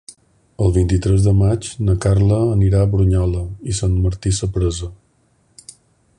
El vint-i-tres de maig na Carla anirà a Brunyola i Sant Martí Sapresa.